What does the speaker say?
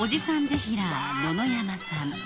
ぜひらー野々山さん